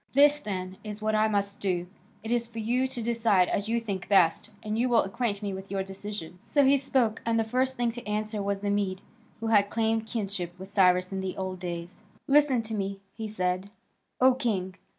This, then, is what I myself must do; it is for you to decide as you think best, and you will acquaint me with your decision." So he spoke, and the first to answer was the Mede who had claimed kinship with Cyrus in the old days. "Listen to me," he said, "O king!